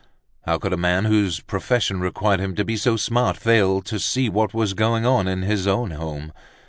How could a man whose profession required him to be so smart fail to see what was going on in his own home?